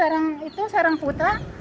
saya seorang putra